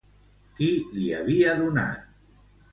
Qui l'hi havia donat?